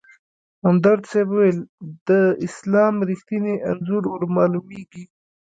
همدرد صیب ویل: د اسلام رښتیني انځور ورمالومېږي.